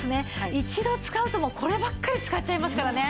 一度使うともうこればっかり使っちゃいますからね。